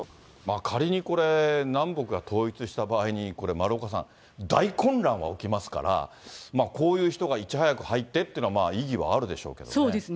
仮にこれ、南北が統一した場合に、これ、丸岡さん、大混乱が起きますから、こういう人がいち早く入ってっていうのは、そうですね。